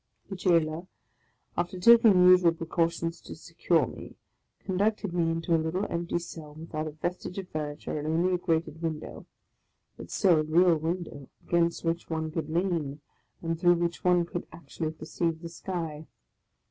The jailor, after taking the usual precautions to secure me, conducted me into a little empty cell, without a vestige of furniture, and only a grated window, — but still a real win dow, against which one could lean, and through which one could actually perceive the sky